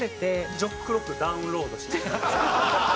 『ジョックロック』ダウンロードして。